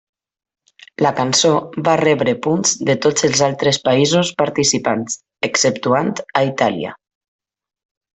La cançó va rebre punts de tots els altres països participants exceptuant a Itàlia.